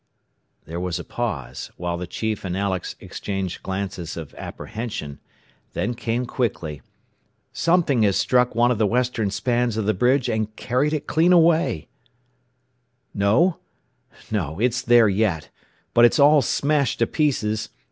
There was a pause, while the chief and Alex exchanged glances of apprehension, then came quickly, "Something has struck one of the western spans of the bridge and carried it clean away "No No, it's there yet! But it's all smashed to pieces!